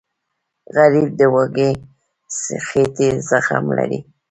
غریب د وږې خېټې زغم لري